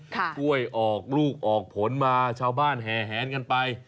ช่วยออกลูกออกผลมาชาวบ้านแห่แหนกันไป